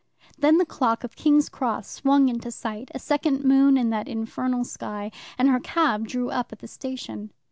Then the clock of King's Cross swung into sight, a second moon in that infernal sky, and her cab drew up at the station.